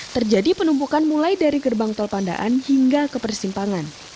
terjadi penumpukan mulai dari gerbang tol pandaan hingga ke persimpangan